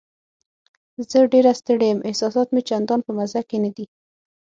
زه ډېره ستړې یم، احساسات مې چندان په مزه کې نه دي.